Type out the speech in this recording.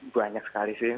banyak sekali sih